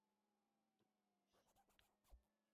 粗糙棘猛水蚤为异足猛水蚤科棘猛水蚤属的动物。